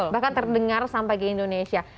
bahkan terdengar sampai ke indonesia